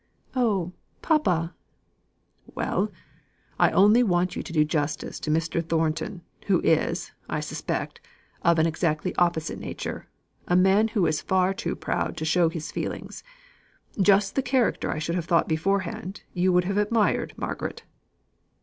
"Oh, papa!" "Well! I only want you to do justice to Mr. Thornton, who is, I suspect, of an exactly opposite nature a man who is far too proud to show his feelings. Just the character I should have thought beforehand, you would have admired, Margaret."